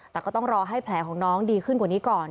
แต่ก็ต้องรอให้แผลของน้องดีขึ้นกว่านี้ก่อน